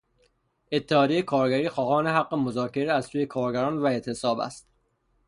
اتحادیهی کارگری خواهان حق مذاکره از سوی کارگران و اعتصاب است.